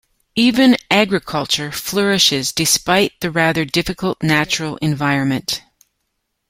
Even agriculture flourishes despite the rather difficult natural environment.